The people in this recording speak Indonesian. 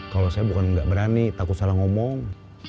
kalau saya bukan nggak berani takut salah ngomong